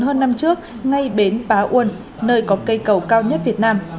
hơn năm trước ngay bến bá uân nơi có cây cầu cao nhất việt nam